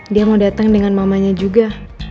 dia mau datang dengan mamanya juga